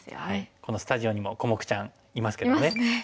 このスタジオにもコモクちゃんいますけどね。